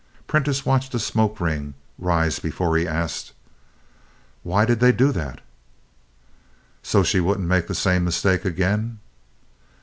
Prentiss watched a smoke ring rise before he asked: "Why did they do that?" "So she wouldn't make the same mistake again."